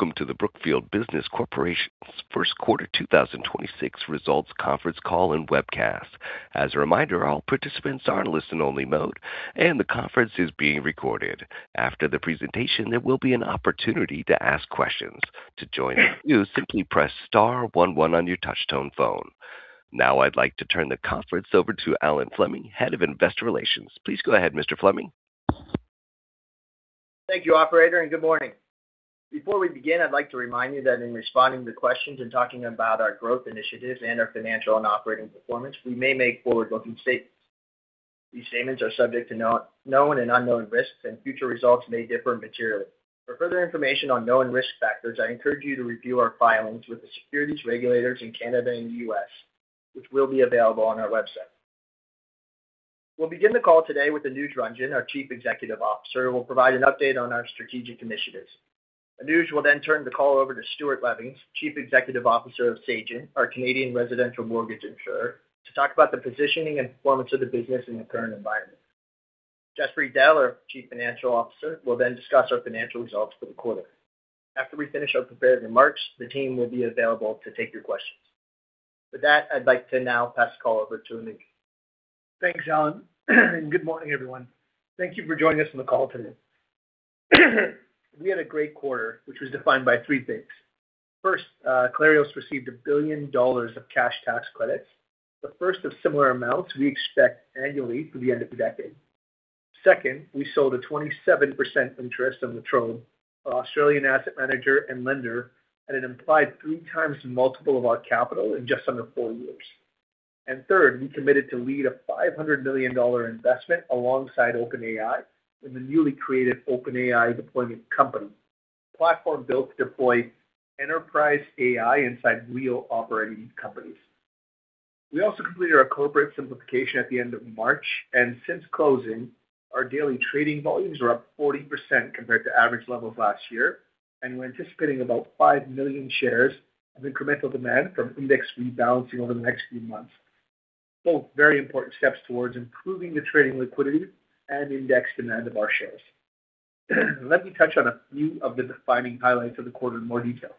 Welcome to the Brookfield Business Corporation's first quarter 2026 results conference call and webcast. As a reminder, all participants are in listen only mode, and the conference is being recorded. After the presentation, there will be an opportunity to ask questions. To join us, simply press star one one on your touch tone phone. Now I'd like to turn the conference over to Alan Fleming, Head of Investor Relations. Please go ahead, Mr. Fleming. Thank you, operator, and good morning. Before we begin, I'd like to remind you that in responding to questions and talking about our growth initiatives and our financial and operating performance, we may make forward-looking statements. These statements are subject to known and unknown risks, and future results may differ materially. For further information on known risk factors, I encourage you to review our filings with the securities regulators in Canada and U.S., which will be available on our website. We'll begin the call today with Anuj Ranjan, our Chief Executive Officer, who will provide an update on our strategic initiatives. Anuj will then turn the call over to Stuart Levings, Chief Executive Officer of Sagen, our Canadian residential mortgage insurer, to talk about the positioning and performance of the business in the current environment. Jaspreet Dehl, our Chief Financial Officer, will then discuss our financial results for the quarter. After we finish our prepared remarks, the team will be available to take your questions. With that, I'd like to now pass the call over to Anuj. Thanks, Alan. Good morning, everyone. Thank you for joining us on the call today. We had a great quarter, which was defined by three things. First, Clarios received $1 billion of cash tax credits, the first of similar amounts we expect annually through the end of the decade. Second, we sold a 27% interest in La Trobe Financial, an Australian asset manager and lender, at an implied 3x multiple of our capital in just under four years. Third, we committed to lead a $500 million investment alongside OpenAI in The OpenAI Deployment Company. A platform built to deploy enterprise AI inside real operating companies. We also completed our corporate simplification at the end of March. Since closing, our daily trading volumes are up 40% compared to average levels last year, and we're anticipating about 5 million shares of incremental demand from index rebalancing over the next few months. Both very important steps towards improving the trading liquidity and index demand of our shares. Let me touch on a few of the defining highlights of the quarter in more detail.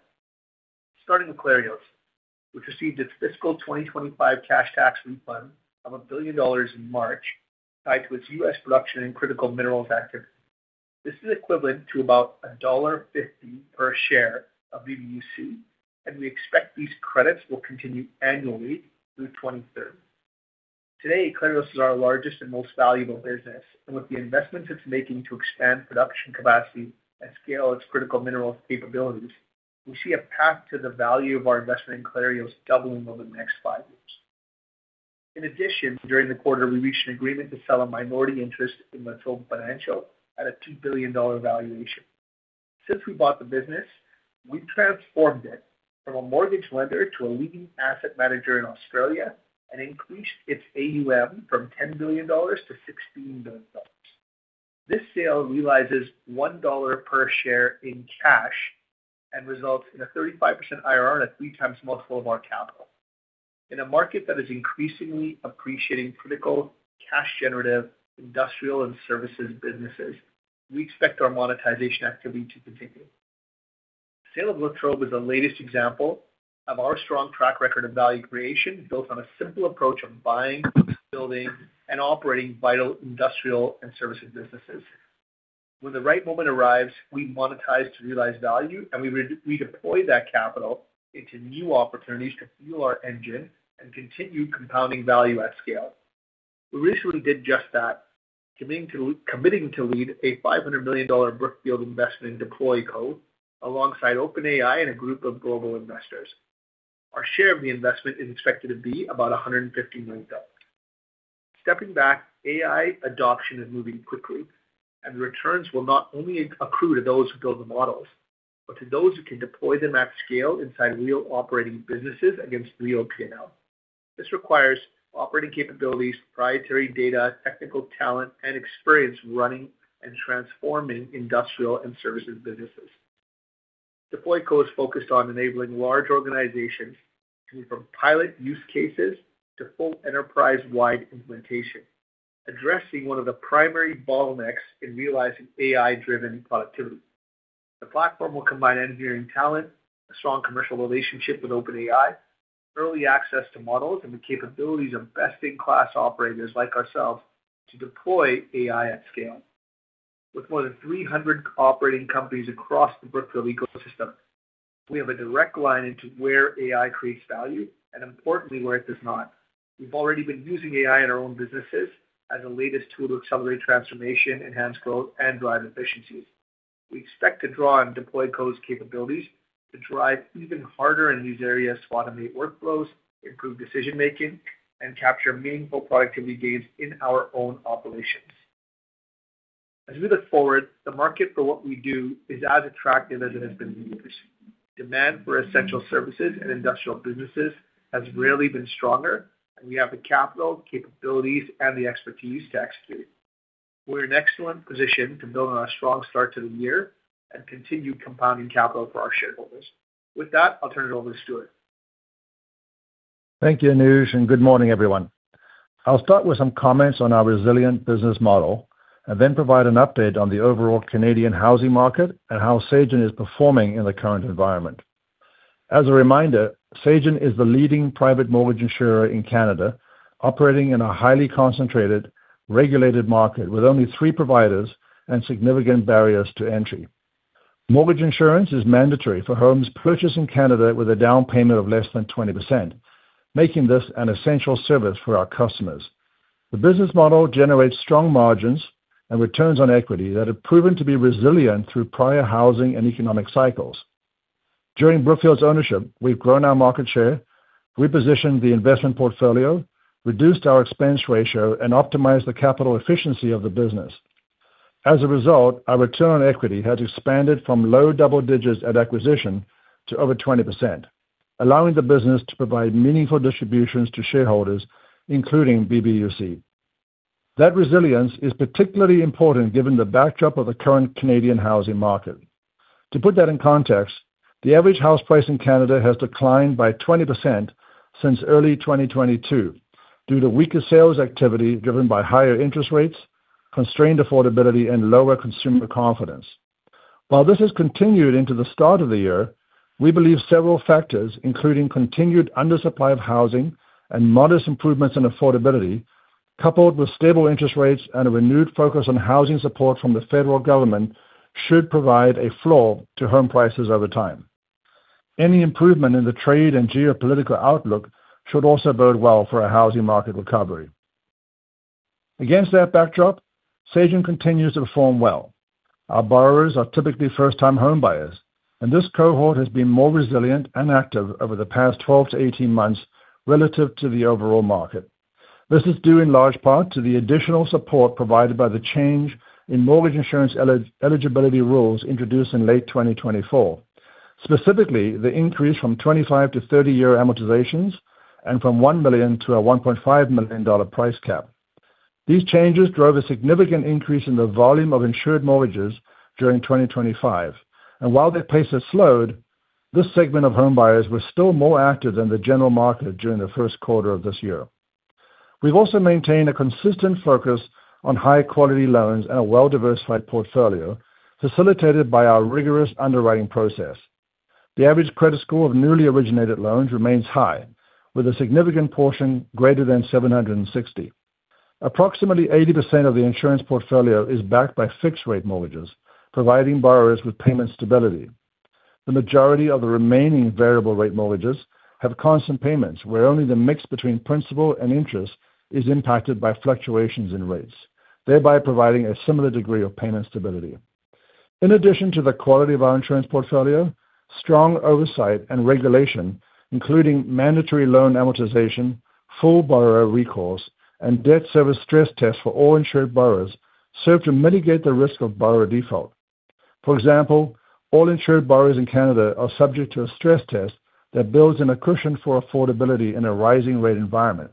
Starting with Clarios, which received its fiscal 2025 cash tax refund of $1 billion in March tied to its U.S. production and critical minerals activity. This is equivalent to about $1.50 per share of BBU, and we expect these credits will continue annually through 2030. Today, Clarios is our largest and most valuable business, and with the investments it's making to expand production capacity and scale its critical minerals capabilities, we see a path to the value of our investment in Clarios doubling over the next five years. In addition, during the quarter, we reached an agreement to sell a minority interest in La Trobe Financial at a $2 billion valuation. Since we bought the business, we've transformed it from a mortgage lender to a leading asset manager in Australia and increased its AUM from $10 billion-$16 billion. This sale realizes $1 per share in cash and results in a 35% IRR at 3 times multiple of our capital. In a market that is increasingly appreciating critical cash-generative industrial and services businesses, we expect our monetization activity to continue. Sale of La Trobe is the latest example of our strong track record of value creation built on a simple approach of buying, building, and operating vital industrial and services businesses. When the right moment arrives, we monetize to realize value, we redeploy that capital into new opportunities to fuel our engine and continue compounding value at scale. We recently did just that, committing to lead a $500 million Brookfield investment in DeployCo alongside OpenAI and a group of global investors. Our share of the investment is expected to be about $150 million. Stepping back, AI adoption is moving quickly, returns will not only accrue to those who build the models, but to those who can deploy them at scale inside real operating businesses against real P&L. This requires operating capabilities, proprietary data, technical talent, and experience running and transforming industrial and services businesses. DeployCo is focused on enabling large organizations to move from pilot use cases to full enterprise-wide implementation, addressing one of the primary bottlenecks in realizing AI-driven productivity. The platform will combine engineering talent, a strong commercial relationship with OpenAI, early access to models, and the capabilities of best-in-class operators like ourselves to deploy AI at scale. With more than 300 operating companies across the Brookfield ecosystem, we have a direct line into where AI creates value and importantly, where it does not. We've already been using AI in our own businesses as the latest tool to accelerate transformation, enhance growth, and drive efficiencies. We expect to draw on DeployCo's capabilities to drive even harder in these areas to automate workflows, improve decision-making, and capture meaningful productivity gains in our own operations. As we look forward, the market for what we do is as attractive as it has been in years. Demand for essential services and industrial businesses has rarely been stronger, and we have the capital, capabilities, and the expertise to execute. We're in excellent position to build on a strong start to the year and continue compounding capital for our shareholders. With that, I'll turn it over to Stuart. Thank you, Anuj. Good morning, everyone. I'll start with some comments on our resilient business model, and then provide an update on the overall Canadian housing market and how Sagen is performing in the current environment. As a reminder, Sagen is the leading private mortgage insurer in Canada, operating in a highly concentrated, regulated market with only three providers and significant barriers to entry. Mortgage insurance is mandatory for homes purchased in Canada with a down payment of less than 20%, making this an essential service for our customers. The business model generates strong margins and returns on equity that have proven to be resilient through prior housing and economic cycles. During Brookfield's ownership, we've grown our market share, repositioned the investment portfolio, reduced our expense ratio, and optimized the capital efficiency of the business. As a result, our return on equity has expanded from low double digits at acquisition to over 20%, allowing the business to provide meaningful distributions to shareholders, including BBUC. That resilience is particularly important given the backdrop of the current Canadian housing market. To put that in context, the average house price in Canada has declined by 20% since early 2022 due to weaker sales activity driven by higher interest rates, constrained affordability, and lower consumer confidence. While this has continued into the start of the year, we believe several factors, including continued undersupply of housing and modest improvements in affordability, coupled with stable interest rates and a renewed focus on housing support from the federal government, should provide a floor to home prices over time. Any improvement in the trade and geopolitical outlook should also bode well for a housing market recovery. Against that backdrop, Sagen continues to perform well. Our borrowers are typically first-time homebuyers, and this cohort has been more resilient and active over the past 12-18 months relative to the overall market. This is due in large part to the additional support provided by the change in mortgage insurance eligibility rules introduced in late 2024. Specifically, the increase from 25-30-year amortizations and from $1 million-$1.5 million price cap. These changes drove a significant increase in the volume of insured mortgages during 2025. While that pace has slowed, this segment of homebuyers was still more active than the general market during the first quarter of this year. We've also maintained a consistent focus on high-quality loans and a well-diversified portfolio, facilitated by our rigorous underwriting process. The average credit score of newly originated loans remains high, with a significant portion greater than 760. Approximately 80% of the insurance portfolio is backed by fixed-rate mortgages, providing borrowers with payment stability. The majority of the remaining variable rate mortgages have constant payments, where only the mix between principal and interest is impacted by fluctuations in rates, thereby providing a similar degree of payment stability. In addition to the quality of our insurance portfolio, strong oversight and regulation, including mandatory loan amortization, full borrower recourse, and debt service stress tests for all insured borrowers, serve to mitigate the risk of borrower default. For example, all insured borrowers in Canada are subject to a stress test that builds in a cushion for affordability in a rising rate environment.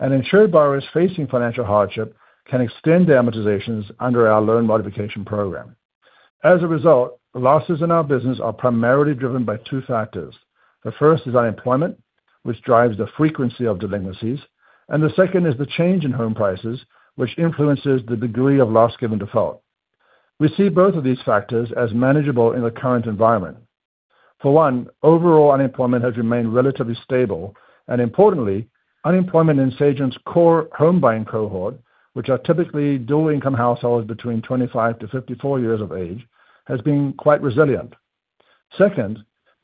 Insured borrowers facing financial hardship can extend their amortizations under our loan modification program. As a result, losses in our business are primarily driven by two factors. The first is unemployment, which drives the frequency of delinquencies, and the second is the change in home prices, which influences the degree of loss given default. We see both of these factors as manageable in the current environment. For one, overall unemployment has remained relatively stable. Importantly, unemployment in Sagen's core home buying cohort, which are typically dual income households between 25-54 years of age, has been quite resilient. Second,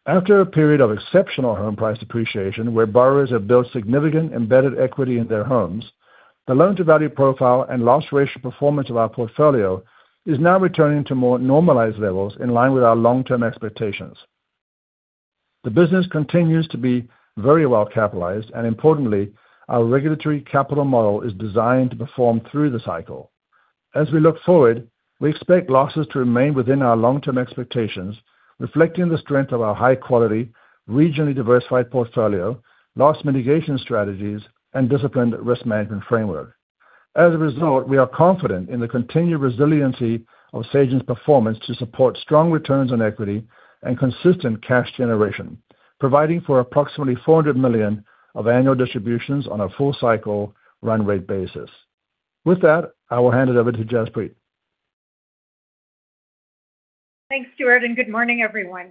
after a period of exceptional home price appreciation where borrowers have built significant embedded equity in their homes, the loan-to-value profile and loss ratio performance of our portfolio is now returning to more normalized levels in line with our long-term expectations. The business continues to be very well capitalized, and importantly, our regulatory capital model is designed to perform through the cycle. As we look forward, we expect losses to remain within our long-term expectations, reflecting the strength of our high quality, regionally diversified portfolio, loss mitigation strategies, and disciplined risk management framework. As a result, we are confident in the continued resiliency of Sagen's performance to support strong returns on equity and consistent cash generation, providing for approximately $400 million of annual distributions on a full cycle run rate basis. With that, I will hand it over to Jaspreet. Thanks, Stuart. Good morning, everyone.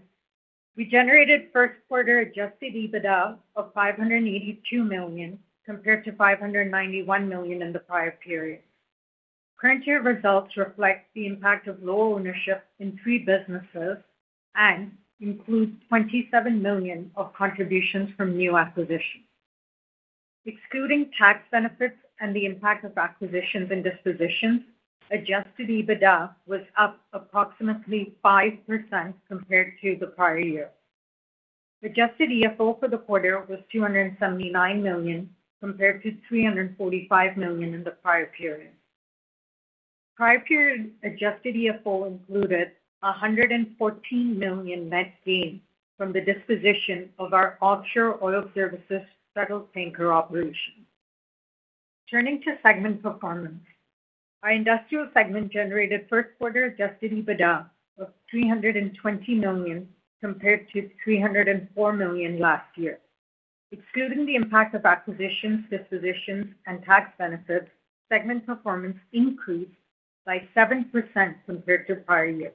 We generated first quarter Adjusted EBITDA of $582 million, compared to $591 million in the prior period. Current year results reflect the impact of low ownership in three businesses and includes $27 million of contributions from new acquisitions. Excluding tax benefits and the impact of acquisitions and dispositions, Adjusted EBITDA was up approximately 5% compared to the prior year. Adjusted EFO for the quarter was $279 million, compared to $345 million in the prior period. Prior period Adjusted EFO included a $114 million net gain from the disposition of our offshore oil services shuttle tanker operation. Turning to segment performance. Our industrial segment generated first quarter Adjusted EBITDA of $320 million compared to $304 million last year. Excluding the impact of acquisitions, dispositions, and tax benefits, segment performance increased by 7% compared to prior year.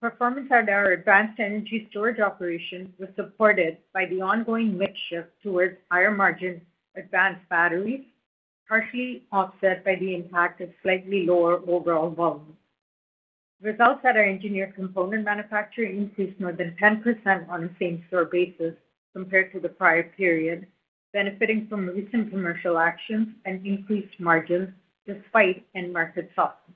Performance at our advanced energy storage operations was supported by the ongoing mix shift towards higher margin advanced batteries, partially offset by the impact of slightly lower overall volume. Results at our engineered component manufacturer increased more than 10% on a same store basis compared to the prior period, benefiting from recent commercial actions and increased margins despite end market softness.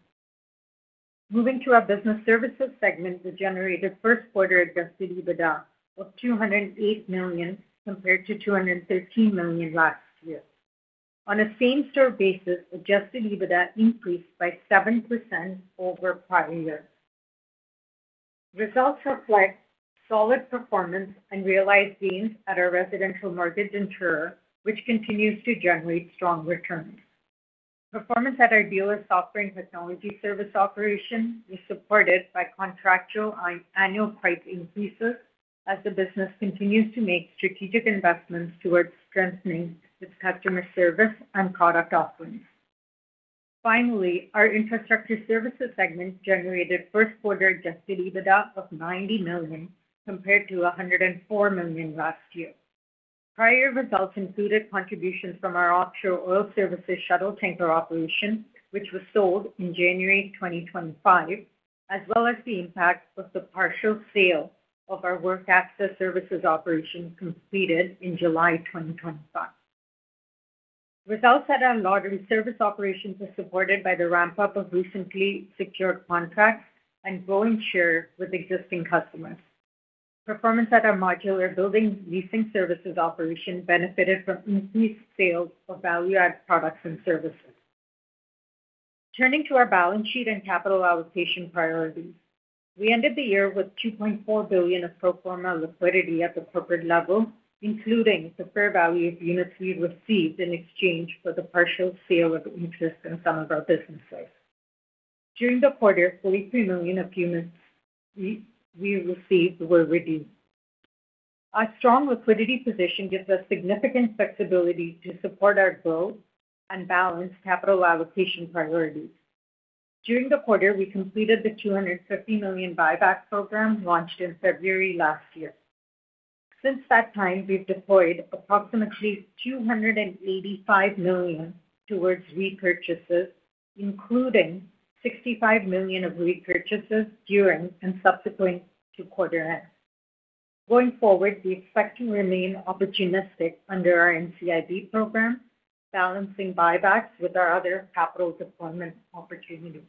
Moving to our business services segment that generated first quarter adjusted EBITDA of $208 million compared to $213 million last year. On a same store basis, adjusted EBITDA increased by 7% over prior year. Results reflect solid performance and realized gains at our residential mortgage insurer, which continues to generate strong returns. Performance at our dealer software and technology service operation was supported by contractual annual price increases as the business continues to make strategic investments towards strengthening its customer service and product offerings. Our infrastructure services segment generated first quarter adjusted EBITDA of $90 million compared to $104 million last year. Prior results included contributions from our offshore oil services shuttle tanker operation, which was sold in January 2025, as well as the impact of the partial sale of our work access services operation completed in July 2025. Results at our laundry service operations were supported by the ramp-up of recently secured contracts and growing share with existing customers. Performance at our modular building leasing services operation benefited from increased sales of value-add products and services. Turning to our balance sheet and capital allocation priorities. We ended the year with $2.4 billion of pro forma liquidity at the corporate level, including the fair value of units we received in exchange for the partial sale of interest in some of our businesses. During the quarter, $43 million of units we received were redeemed. Our strong liquidity position gives us significant flexibility to support our growth and balance capital allocation priorities. During the quarter, we completed the $250 million buyback program launched in February last year. Since that time, we've deployed approximately $285 million towards repurchases, including $65 million of repurchases during and subsequent to quarter end. Going forward, we expect to remain opportunistic under our NCIB program, balancing buybacks with our other capital deployment opportunities.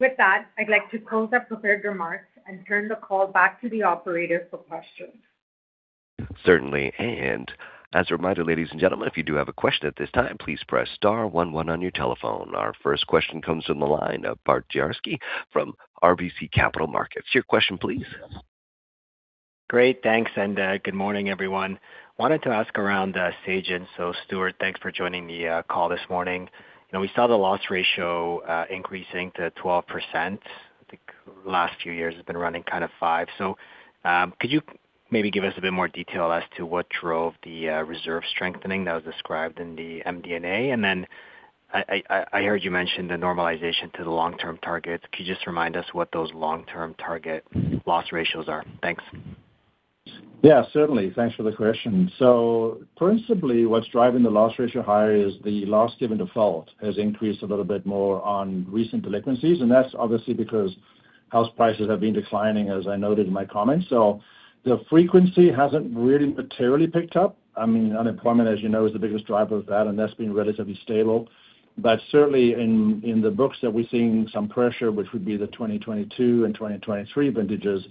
I'd like to close our prepared remarks and turn the call back to the operator for questions. Certainly, and as a reminder, ladies and gentlemen, if you do have a question at this time, please press star one one on your telephone. Our first question comes from the line of Bart Dziarski from RBC Capital Markets. Your question please. Great, thanks and good morning, everyone. Wanted to ask around Sagen and so Stuart, thanks for joining the call this morning. You know, we saw the loss ratio increasing to 12%. I think last few years has been running kind of 5%. Could you maybe give us a bit more detail as to what drove the reserve strengthening that was described in the MD&A? Then I heard you mention the normalization to the long-term targets. Could you just remind us what those long-term target loss ratios are? Thanks. Yeah, certainly. Thanks for the question. Principally, what's driving the loss ratio higher is the loss given default has increased a little bit more on recent delinquencies, and that's obviously because house prices have been declining, as I noted in my comments. The frequency hasn't really materially picked up. I mean, unemployment, as you know, is the biggest driver of that, and that's been relatively stable. Certainly in the books that we're seeing some pressure, which would be the 2022 and 2023 vintages,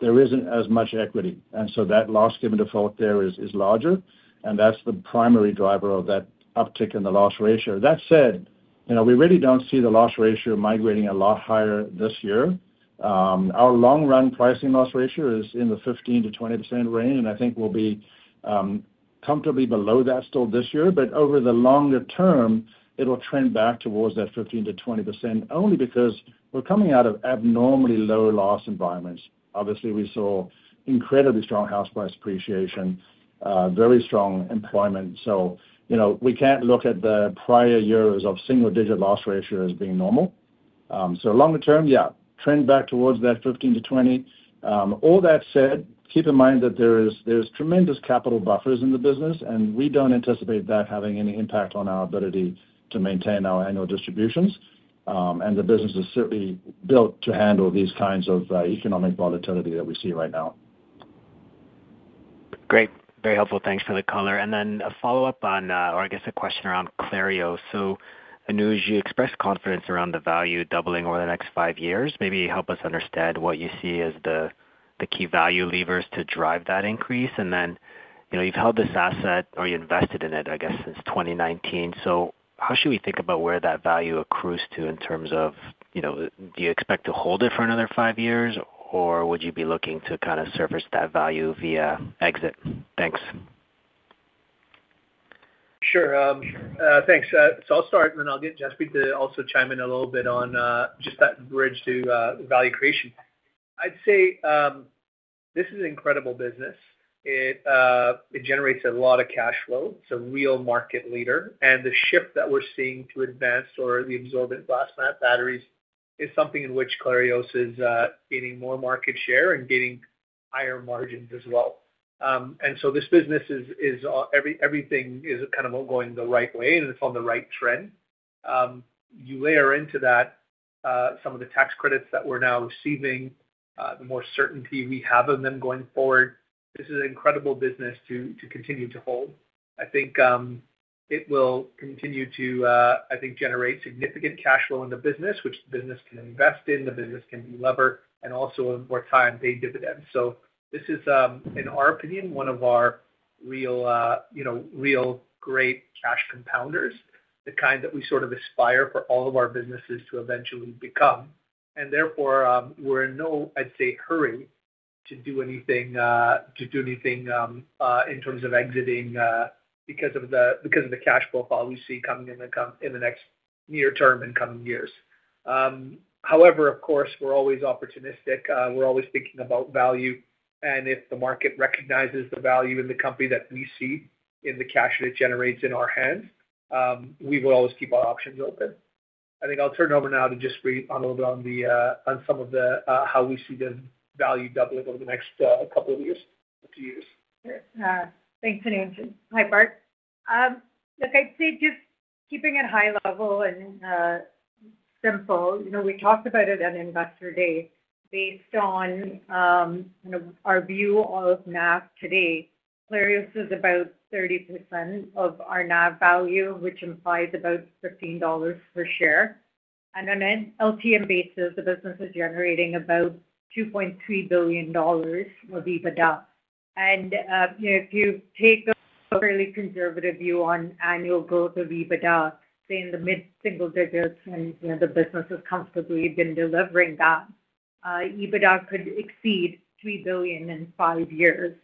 there isn't as much equity. So that loss given default there is larger, and that's the primary driver of that uptick in the loss ratio. That said, you know, we really don't see the loss ratio migrating a lot higher this year. Our long run pricing loss ratio is in the 15%-20% range, and I think we'll be comfortably below that still this year. Over the longer term, it'll trend back towards that 15%-20% only because we're coming out of abnormally low loss environments. Obviously, we saw incredibly strong house price appreciation, very strong employment. You know, we can't look at the prior years of single-digit loss ratio as being normal. Longer term, yeah, trend back towards that 15%-20%. All that said, keep in mind that there is, there's tremendous capital buffers in the business, and we don't anticipate that having any impact on our ability to maintain our annual distributions. The business is certainly built to handle these kinds of economic volatility that we see right now. Great. Very helpful. Thanks for the color. A follow-up on, or I guess a question around Clarios. Anuj, you expressed confidence around the value doubling over the next five years. Maybe help us understand what you see as the key value levers to drive that increase. Then, you know, you've held this asset, or you invested in it, I guess, since 2019. How should we think about where that value accrues to in terms of, you know, do you expect to hold it for another five years, or would you be looking to kind of surface that value via exit? Thanks. Sure. Thanks. I'll start and then I'll get Jaspreet to also chime in a little bit on just that bridge to value creation. I'd say, this is incredible business. It generates a lot of cash flow. It's a real market leader. The shift that we're seeing to advanced or the absorbent glass mat batteries is something in which Clarios is gaining more market share and getting higher margins as well. This business is everything is kind of all going the right way, and it's on the right trend. You layer into that some of the tax credits that we're now receiving, the more certainty we have in them going forward. This is an incredible business to continue to hold. I think, it will continue to, I think generate significant cash flow in the business, which the business can invest in, the business can delever, and also over time, pay dividends. This is, in our opinion, one of our real, you know, real great cash compounders, the kind that we sort of aspire for all of our businesses to eventually become. We're in no, I'd say, hurry to do anything, to do anything, in terms of exiting, because of the, because of the cash flow profile we see coming in the next near term and coming years. However, of course, we're always opportunistic. We're always thinking about value. If the market recognizes the value in the company that we see in the cash that it generates in our hands, we will always keep our options open. I think I'll turn it over now to Jaspreet Dehl a little bit on some of the how we see the value doubling over the next couple of years, few years. Sure. Thanks, Anuj. Hi, Bart. Look, I'd say just keeping it high level and simple, you know, we talked about it at Investor Day based on, you know, our view of NAV today. Clarios is about 30% of our NAV value, which implies about $15 per share. On an LTM basis, the business is generating about $2.3 billion of EBITDA. If you take a fairly conservative view on annual growth of EBITDA, say in the mid-single digits, and, you know, the business has comfortably been delivering that, EBITDA could exceed $3 billion in five years.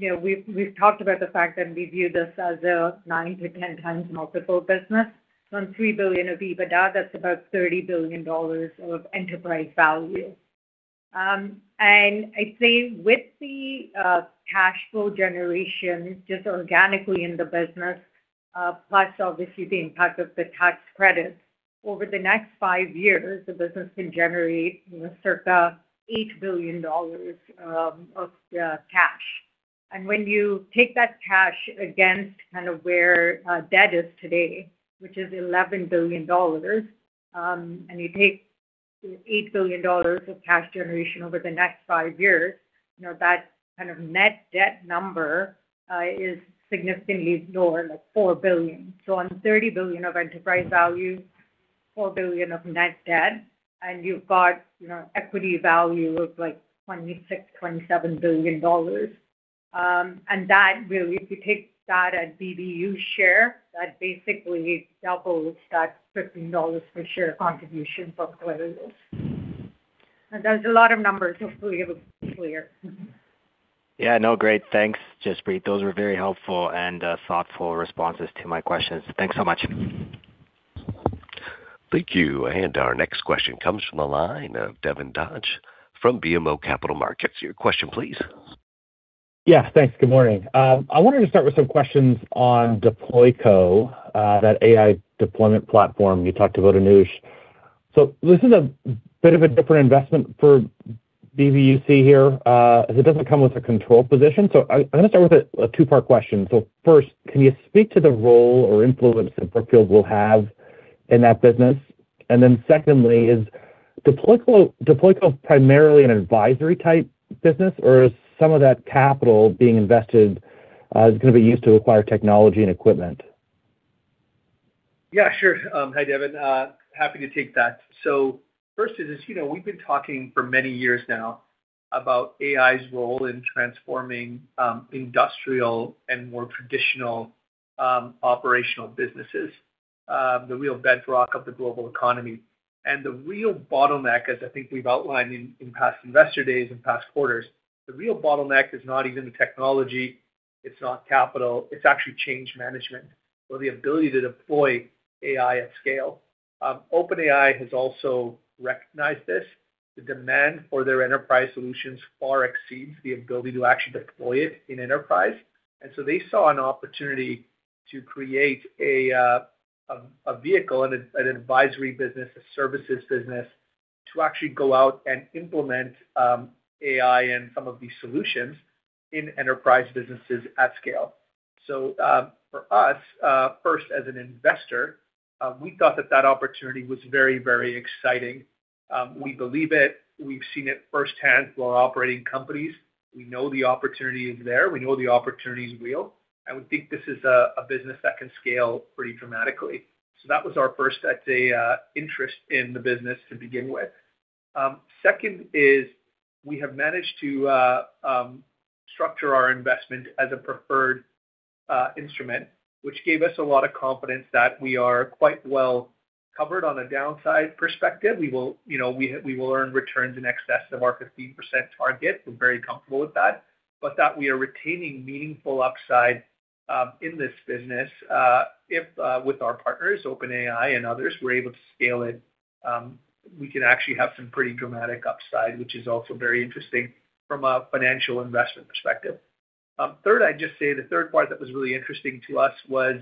You know, we've talked about the fact that we view this as a nine to 10x multiple business. On $3 billion of EBITDA, that's about $30 billion of enterprise value. I'd say with the cash flow generation just organically in the business, plus obviously the impact of the tax credit, over the next five years, the business can generate, you know, circa $8 billion of cash. When you take that cash against kind of where debt is today, which is $11 billion, and you take $8 billion of cash generation over the next five years, you know, that kind of net debt number is significantly lower, like $4 billion. On $30 billion of enterprise value, $4 billion of net debt, and you've got, you know, equity value of like $26 billion-$27 billion. That will, if you take that at BBU share, that basically doubles that $15 per share contribution from Clarios. That's a lot of numbers. Hopefully, it was clear. Yeah. No. Great. Thanks, Jaspreet. Those were very helpful and thoughtful responses to my questions. Thanks so much. Thank you. Our next question comes from the line of Devin Dodge from BMO Capital Markets. Your question, please. Yeah. Thanks. Good morning. I wanted to start with some questions on DeployCo, that AI deployment platform you talked about, Anuj. This is a bit of a different investment for BBUC here, as it doesn't come with a control position. I'm gonna start with a two-part question. First, can you speak to the role or influence that Brookfield will have in that business? Secondly, is DeployCo primarily an advisory type business, or is some of that capital being invested, is gonna be used to acquire technology and equipment? Yeah, sure. Hi, Devin. Happy to take that. First is, as you know, we've been talking for many years now about AI's role in transforming industrial and more traditional operational businesses, the real bedrock of the global economy. The real bottleneck, as I think we've outlined in past Investor Days and past quarters, the real bottleneck is not even the technology, it's not capital, it's actually change management or the ability to deploy AI at scale. OpenAI has also recognized this. The demand for their enterprise solutions far exceeds the ability to actually deploy it in enterprise. They saw an opportunity to create a vehicle and an advisory business, a services business to actually go out and implement AI and some of these solutions in enterprise businesses at scale. For us, first as an investor, we thought that that opportunity was very, very exciting. We believe it. We've seen it firsthand while operating companies. We know the opportunity is there. We know the opportunity is real, and we think this is a business that can scale pretty dramatically. That was our first, I'd say, interest in the business to begin with. Second is we have managed to structure our investment as a preferred instrument, which gave us a lot of confidence that we are quite well-covered on a downside perspective. We will, you know, we will earn returns in excess of our 15% target. We're very comfortable with that. That we are retaining meaningful upside in this business. If with our partners, OpenAI and others, we're able to scale it, we can actually have some pretty dramatic upside, which is also very interesting from a financial investment perspective. Third, I'd just say the third part that was really interesting to us was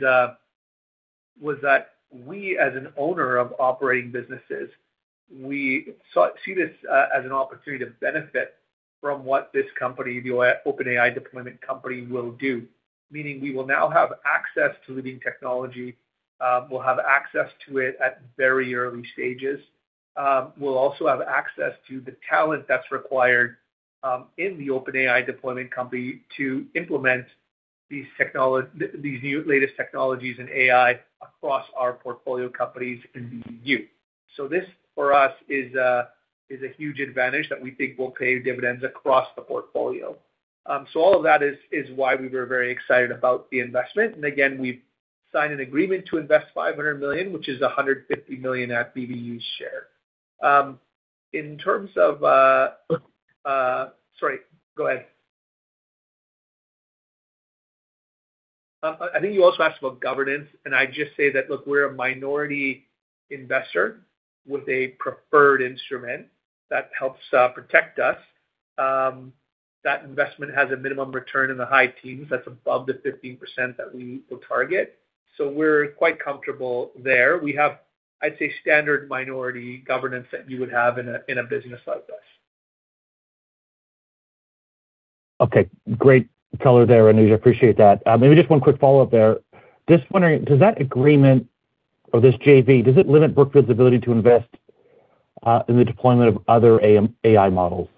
that we as an owner of operating businesses, we see this as an opportunity to benefit from what this company, the OpenAI deployment company, will do. Meaning we will now have access to leading technology. We'll have access to it at very early stages. We'll also have access to the talent that's required in the OpenAI deployment company to implement these new latest technologies in AI across our portfolio companies in BBU. This, for us, is a huge advantage that we think will pay dividends across the portfolio. All of that is why we were very excited about the investment. We've signed an agreement to invest $500 million, which is $150 million at BBU share. Sorry, go ahead. I think you also asked about governance, I'd just say that, look, we're a minority investor with a preferred instrument that helps protect us. That investment has a minimum return in the high teens that's above the 15% that we will target. We're quite comfortable there. We have, I'd say, standard minority governance that you would have in a business like this. Okay. Great color there, Anuj. I appreciate that. Maybe just one quick follow-up there. Just wondering, does that agreement or this JV, does it limit Brookfield's ability to invest in the deployment of other AI models?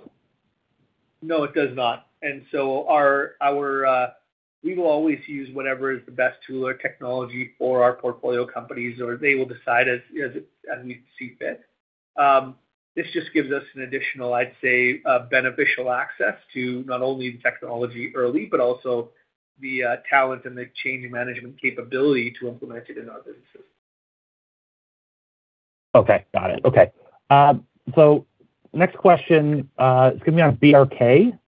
No, it does not. We will always use whatever is the best tool or technology for our portfolio companies, or they will decide as we see fit. This just gives us an additional, I'd say, beneficial access to not only the technology early, but also the talent and the change in management capability to implement it in our businesses. Okay. Got it. Okay. Next question is gonna be on BRK.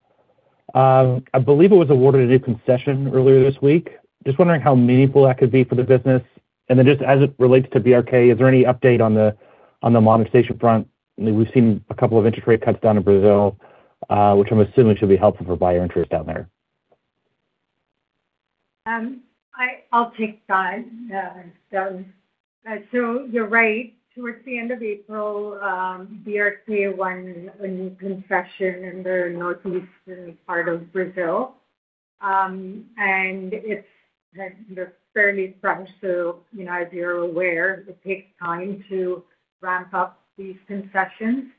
I believe it was awarded a new concession earlier this week. Just wondering how meaningful that could be for the business. Just as it relates to BRK, is there any update on the monetization front? We've seen a couple of interest rate cuts down in Brazil, which I'm assuming should be helpful for buyer interest down there. Devin Dodge. You're right. Towards the end of April, BRK Ambiental won a new concession in the northeastern part of Brazil. It's, like, fairly fresh. You know, as you're aware, it takes time to ramp up these concessions.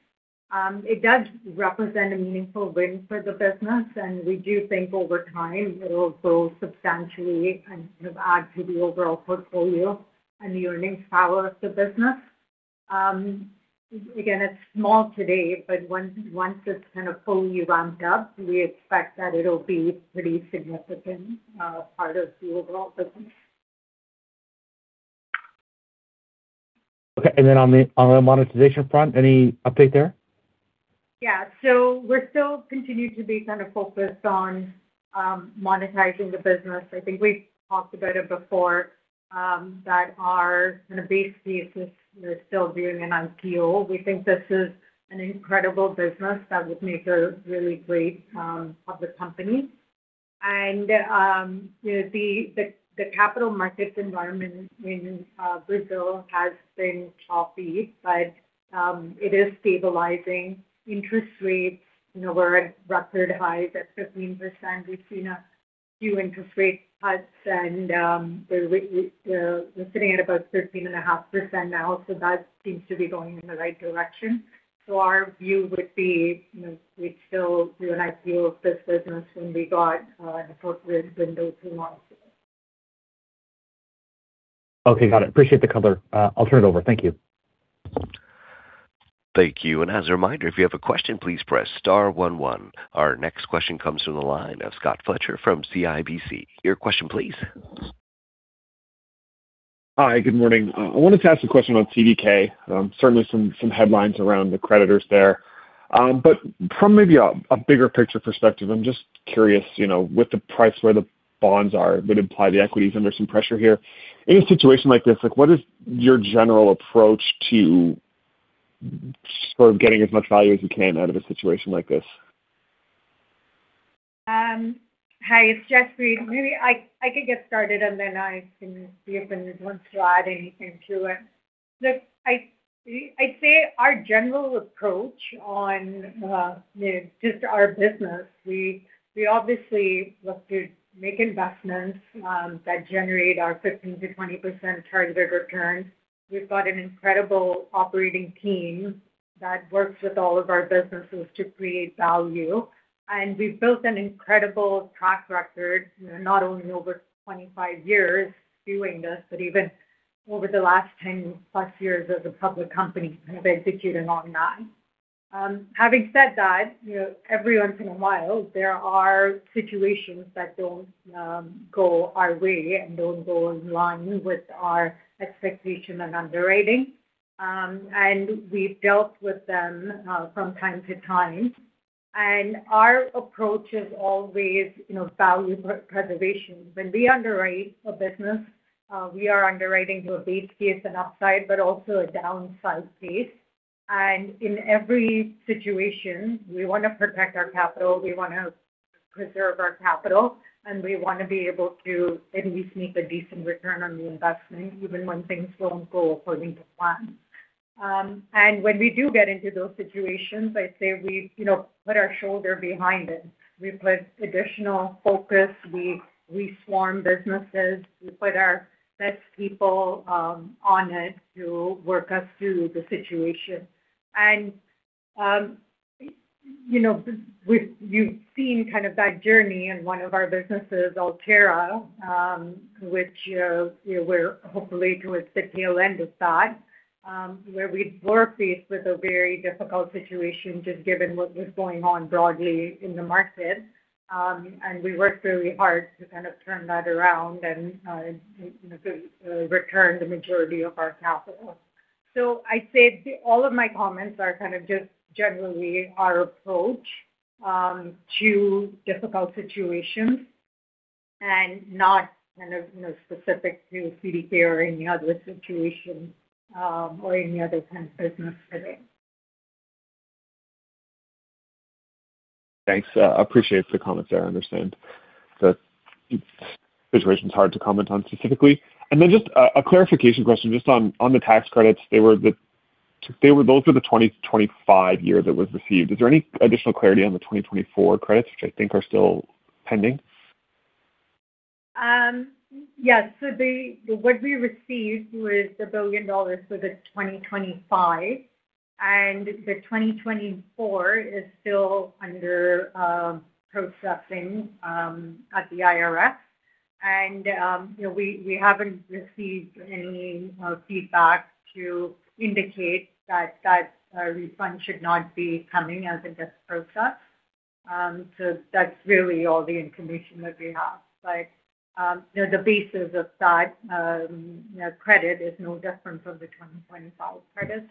It does represent a meaningful win for the business, and we do think over time it'll grow substantially and add to the overall portfolio and the earnings power of the business. Again, it's small today, but once it's kind of fully ramped up, we expect that it'll be pretty significant part of the overall business. Okay. On the, on the monetization front, any update there? Yeah. We're still continuing to be kind of focused on monetizing the business. I think we've talked about it before, that our kind of base case is we're still viewing an IPO. We think this is an incredible business that would make a really great public company. The capital markets environment in Brazil has been choppy, but it is stabilizing. Interest rates, you know, were at record highs at 15%. We've seen a few interest rate cuts and we're sitting at about 13.5% now, so that seems to be going in the right direction. Our view would be, you know, we'd still do an IPO of this business when we got an appropriate window to market. Okay. Got it. Appreciate the color. I'll turn it over. Thank you. Thank you. As a reminder, if you have a question, please press star one one. Our next question comes from the line of Scott Fletcher from CIBC. Your question please. Hi. Good morning. I wanted to ask a question on CDK. Certainly some headlines around the creditors there. From maybe a bigger picture perspective, I'm just curious, you know, with the price where the bonds are, would imply the equity's under some pressure here. In a situation like this, like, what is your general approach to sort of getting as much value as you can out of a situation like this? Hi, it's Jaspreet. Maybe I could get started, and then I can see if anyone wants to add anything to it. Look, I'd say our general approach on, you know, just our business, we obviously look to make investments that generate our 15%-20% targeted returns. We've got an incredible operating team that works with all of our businesses to create value. We've built an incredible track record, you know, not only over 25 years doing this, but even over the last 10+ years as a public company, kind of executing on that. Having said that, you know, every once in a while there are situations that don't go our way and don't go in line with our expectation and underwriting. We've dealt with them from time to time. Our approach is always, you know, value pre-preservation. When we underwrite a business, we are underwriting to a base case and upside, but also a downside case. In every situation, we wanna protect our capital, we wanna preserve our capital, and we wanna be able to at least make a decent return on the investment, even when things don't go according to plan. When we do get into those situations, I'd say we, you know, put our shoulder behind it. We put additional focus, we swarm businesses. We put our best people on it to work us through the situation. You know, you've seen kind of that journey in one of our businesses, Altera, which, you know, we're hopefully towards the tail end of that, where we were faced with a very difficult situation, just given what was going on broadly in the market. We worked really hard to kind of turn that around and, you know, to return the majority of our capital. I'd say all of my comments are kind of just generally our approach to difficult situations and not kind of, you know, specific to CDK or any other situation or any other kind of business today. Thanks. Appreciate the comments there. I understand that situation's hard to comment on specifically. Just a clarification question just on the tax credits. Those were the 2025 year that was received. Is there any additional clarity on the 2024 credits, which I think are still pending? Yes. What we received was $1 billion for the 2025, and the 2024 is still under processing at the IRS. You know, we haven't received any feedback to indicate that that refund should not be coming as it gets processed. That's really all the information that we have. You know, the basis of that, you know, credit is no different from the 2025 credit.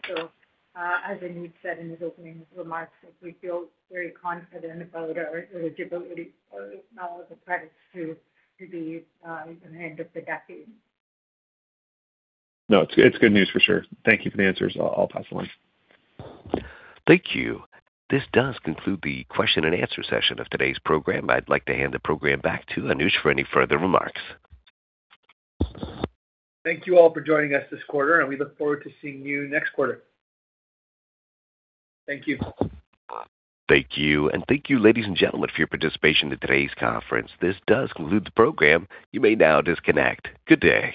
As Anuj said in his opening remarks, is we feel very confident about our eligibility for all of the credits to be even the end of the decade. No, it's good news for sure. Thank you for the answers. I'll pass along. Thank you. This does conclude the question and answer session of today's program. I'd like to hand the program back to Anuj for any further remarks. Thank you all for joining us this quarter, and we look forward to seeing you next quarter. Thank you. Thank you. Thank you, ladies and gentlemen, for your participation in today's conference. This does conclude the program. You may now disconnect. Good day.